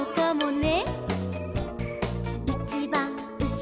「ね！」